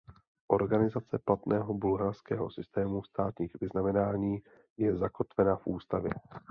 Organizace platného bulharského systému státních vyznamenání je zakotvena v ústavě.